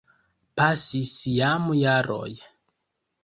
Pasis jam jaroj.